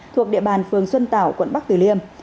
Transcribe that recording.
thuộc địa bàn phường xuân tảo quận bắc tử liêm